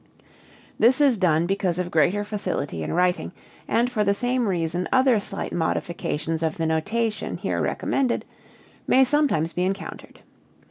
This is done because of greater facility in writing, and for the same reason other slight modifications of the notation here recommended may sometimes be encountered.